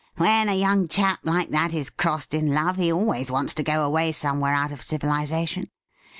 When a young chap like that is crossed in love, he always wants to go away somewhere out of civilization.